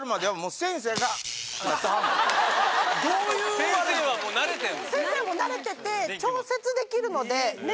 先生はもう慣れてて調節できるのでねっ？